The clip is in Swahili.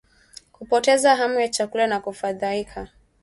Kupoteza hamu ya chakula na kufadhaika